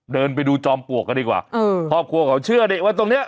เดินไปดูจอมปลวกกันดีกว่าเออครอบครัวเขาเชื่อดิว่าตรงเนี้ย